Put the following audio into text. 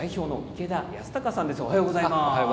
池田安隆さんです。